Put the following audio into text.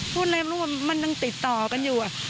พูดอะไรเพราะว่ามันยังติดต่อกันอยู่